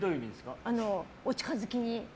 お近づきに。